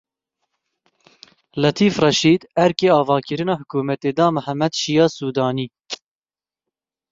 Letîf Reşîd erkê avakirina hikûmetê da Mihemed Şiya Sûdanî.